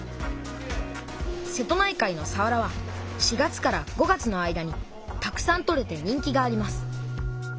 瀬戸内海のさわらは４月から５月の間にたくさん取れて人気があります。